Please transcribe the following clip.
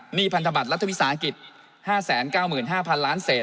พันธบัตรรัฐวิสาหกิจ๕๙๕๐๐๐ล้านเศษ